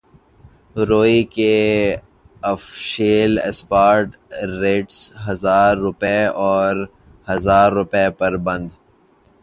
روئی کے official spot rates ہزار روپے اور ہزار روپے پر بند